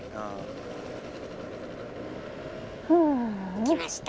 行きました。